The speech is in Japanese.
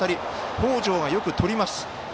北條がよくとります。